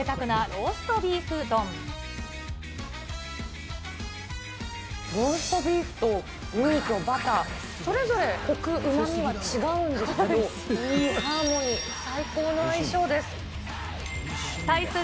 ローストビーフとウニとバター、それぞれこく、うまみが違うんですけど、いいハーモニー、最高の相性です。